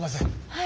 はい。